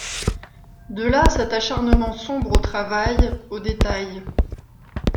De là cet acharnement sombre au travail, aux détails.